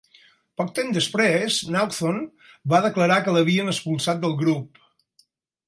Poc temps després, Naughton va declarar que l'havien expulsat del grup.